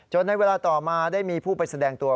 ในเวลาต่อมาได้มีผู้ไปแสดงตัว